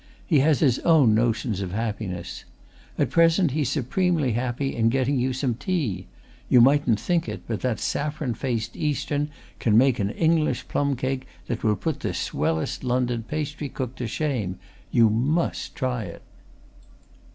He has his own notions of happiness. At present he's supremely happy in getting you some tea you mightn't think it, but that saffron faced Eastern can make an English plum cake that would put the swellest London pastry cook to shame! You must try it!"